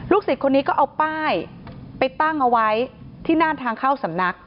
ศิษย์คนนี้ก็เอาป้ายไปตั้งเอาไว้ที่น่านทางเข้าสำนัก